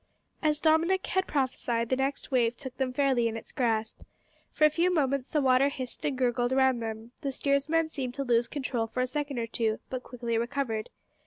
As Dominick had prophesied, the next wave took them fairly in its grasp. For a few moments the water hissed and gurgled round them. The steersman seemed to lose control for a second or two, but quickly recovered.